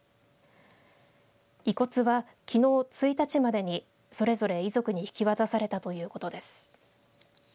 遺骨はきのう１日までにそれぞれ遺族に引き渡されたということです。